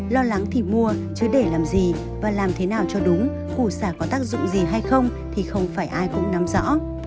lo lắng thì mua chứ để làm gì và làm thế nào cho đúng củ sả có tác dụng gì hay không thì không phải ai cũng nắm rõ